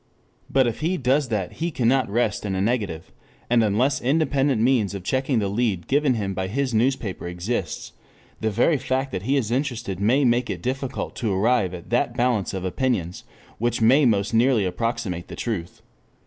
But if he does that he cannot rest in a negative, and unless independent means of checking the lead given him by his newspaper exists, the very fact that he is interested may make it difficult to arrive at that balance of opinions which may most nearly approximate the truth.